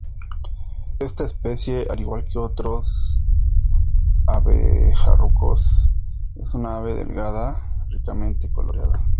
Esta especie, al igual que otros abejarucos, es un ave delgada ricamente coloreada.